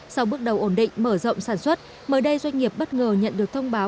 sau bước đầu ổn định mở rộng sản xuất mới đây doanh nghiệp bất ngờ nhận được thông báo